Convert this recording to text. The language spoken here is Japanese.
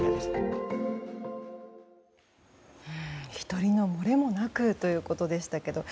１人の漏れもなくということでしたけども。